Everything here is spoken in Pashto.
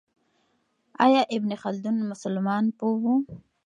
آیا ابن خلدون مسلمان پوه و؟